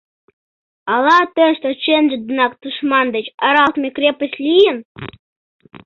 Ала тыште чынже денак тушман деч аралалтме крепость лийын?